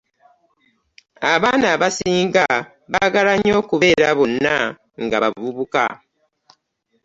Abaana abasinga baagala nnyo okubeera bonna nga bavubuka.